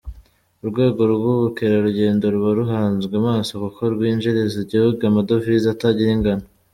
Urwego rw’Ubukerarugendo ruba ruhanzwe amaso, kuko rwinjiriza igihugu amadovize atagira ingano.